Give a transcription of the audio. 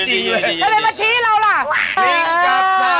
ทำไมมาชี้เราล่ะ